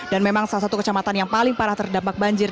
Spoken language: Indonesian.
dan memang salah satu kecamatan yang paling parah terdampak banjir